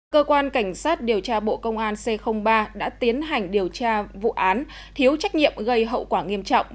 cơ quan cảnh sát điều tra bộ công an c ba đã tiến hành điều tra vụ án thiếu trách nhiệm gây hậu quả nghiêm trọng